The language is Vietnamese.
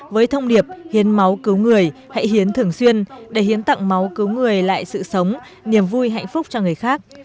với thông điệp hiến máu cứu người hãy hiến thường xuyên để hiến tặng máu cứu người lại sự sống niềm vui hạnh phúc cho người khác